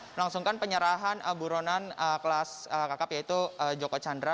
melangsungkan penyerahan aburonan kelas kakak yaitu joko chandra